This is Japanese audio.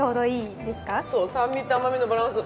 そう酸味と甘みのバランス。